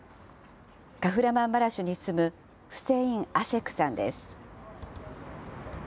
カフラマンマラシュに住むフセイン・アシェクさんです。